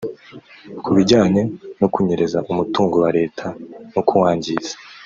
Ku bijyanye no kunyereza umutungo wa leta no kuwangiza